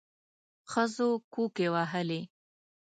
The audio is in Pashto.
ښځو کوکي وهلې.